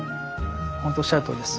ほんとおっしゃるとおりです。